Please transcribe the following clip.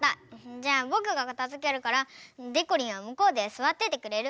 じゃあぼくがかたづけるからでこりんはむこうですわっててくれる？